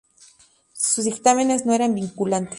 Sus dictámenes no eran vinculantes.